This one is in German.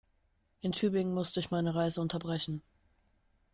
In Tübingen musste ich meine Reise unterbrechen